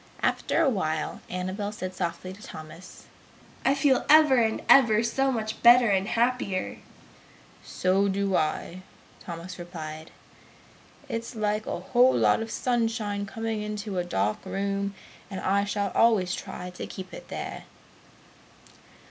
After a while Annabel said softly to Thomas, "I feel ever and ever so much better and happier!" "So do I!" Thomas replied. "It's like a whole lot of sunshine coming into a dark room, and I shall always try to keep it there!"